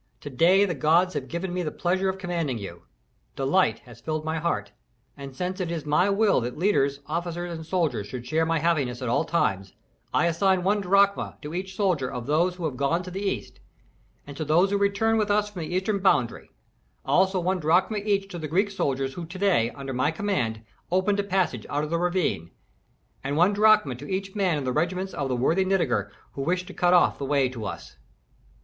To day the gods have given me the pleasure of commanding you. Delight has filled my heart. And since it is my will that leaders, officers, and soldiers should share my happiness at all times, I assign one drachma to each soldier of those who have gone to the east, and to those who return with us from the eastern boundary; also one drachma each to the Greek soldiers who to day, under my command, opened a passage out of the ravine; and one drachma to each man in the regiments of the worthy Nitager who wished to cut off the way to us."